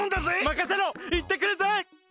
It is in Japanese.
まかせろいってくるぜ！